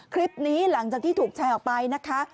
คลิปนี้หลังจากที่ถูกแชร์ออกไปนะคะ